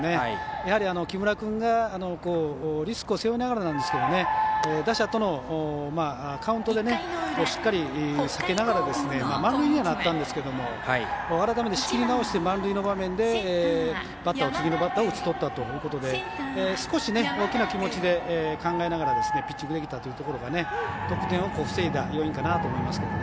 やはり木村君がリスクを背負いながらなんですが打者とのカウントで、しっかり避けながら満塁にはなったんですけど改めて仕切り直して満塁の場面で次のバッターを打ち取ったということで少し、大きな気持ちで考えながらピッチングというのが得点を防いだ要因かなと思います。